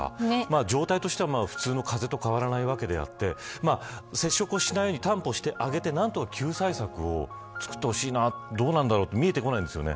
状態としては、普通の風邪と変わらないわけだって接触をしないように担保してあげて何とか救済策をつくってほしいな見えてこないんですよね。